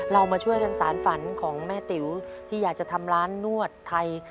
เรามาช่วยกันสารฝันของแม่ติ๋วที่อยากจะทำร้านนวดไทย